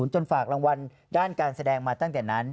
จนฝากรางวัลด้านการแสดงมาตั้งแต่นั้น